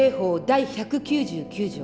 第１９９条